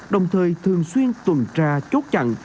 đồng thời thường xuyên tuần tra chốt chặn